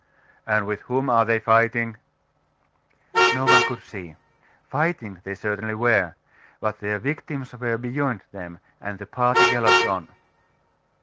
'And with whom are they fighting?' No one could see. Fighting they certainly were: but their victims were beyond them, and the party galloped on.